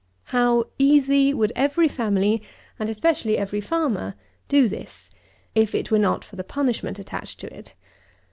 How easy would every family, and especially every farmer, do this, if it were not for the punishment attached to it!